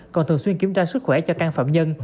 còn thường xuyên kiểm tra sức khỏe cho căn phạm nhân